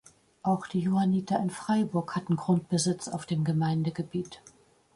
Auch die Johanniter in Freiburg hatten Grundbesitz auf dem Gemeindegebiet.